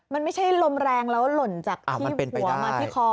มันไม่ใช่ลมแรงแล้วหล่นจากที่หัวมาที่คอ